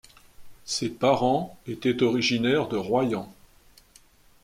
Ses parents étaient originaire de Royan.